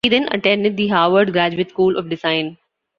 He then attended the Harvard Graduate School of Design.